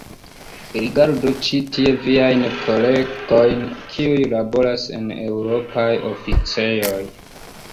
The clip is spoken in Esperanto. Rigardu ĉi tie viajn kolegojn kiuj laboras en eŭropaj oficejoj.